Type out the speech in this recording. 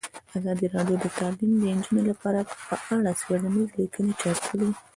ازادي راډیو د تعلیمات د نجونو لپاره په اړه څېړنیزې لیکنې چاپ کړي.